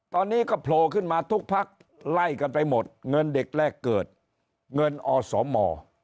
ตอนนี้ก็โผล่ขึ้นมาทุกพักไล่กันไปหมดเงินเด็กแรกเกิดเงินอสม